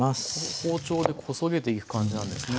包丁でこそげていく感じなんですね。